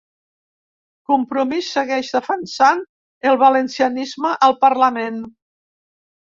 Compromís segueix defensant el valencianisme al parlament